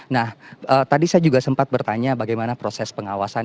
nah tadi saya juga sempat bertanya bagaimana proses pengawasan